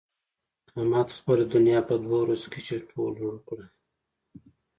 احمد خپله دونيا په دوو ورځو کې چټو و لړو کړه.